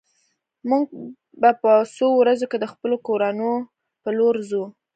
موږ به په څو ورځو کې د خپلو کورونو په لور ځو